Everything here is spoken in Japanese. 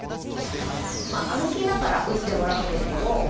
歩きながら打ってもらうんですけど。